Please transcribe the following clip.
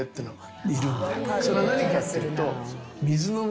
それが何かっていうと。